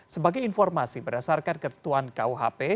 sebagai informasi berdasarkan ketuan kuh